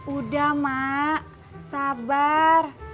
udah mak sabar